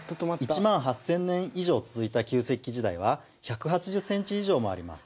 １万８，０００年以上続いた旧石器時代は１８０センチ以上もあります。